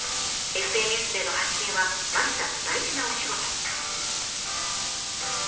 ＳＮＳでの発信は麻里さんの大事なお仕事。